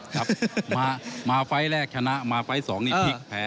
ครับมาไฟล์แรกชนะมาไฟล์๒นี่พลิกแพ้